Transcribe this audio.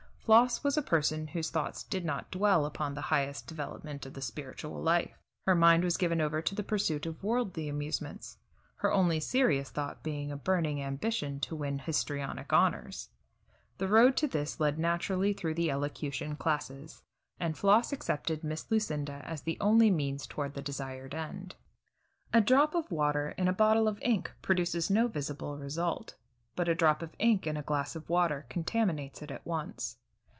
Floss was a person whose thoughts did not dwell upon the highest development of the spiritual life. Her mind was given over to the pursuit of worldly amusements, her only serious thought being a burning ambition to win histrionic honors. The road to this led naturally through the elocution classes, and Floss accepted Miss Lucinda as the only means toward the desired end. A drop of water in a bottle of ink produces no visible result, but a drop of ink in a glass of water contaminates it at once.